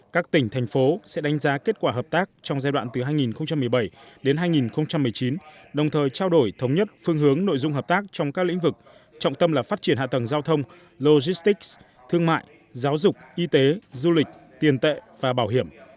các tỉnh thành phố sẽ đánh giá kết quả hợp tác trong giai đoạn từ hai nghìn một mươi bảy đến hai nghìn một mươi chín đồng thời trao đổi thống nhất phương hướng nội dung hợp tác trong các lĩnh vực trọng tâm là phát triển hạ tầng giao thông logistics thương mại giáo dục y tế du lịch tiền tệ và bảo hiểm